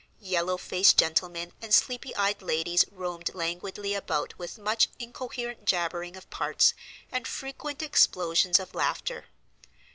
Yellow faced gentlemen and sleepy eyed ladies roamed languidly about with much incoherent jabbering of parts, and frequent explosions of laughter.